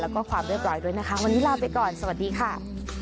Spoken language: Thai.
แล้วก็ความเรียบร้อยด้วยนะคะวันนี้ลาไปก่อนสวัสดีค่ะ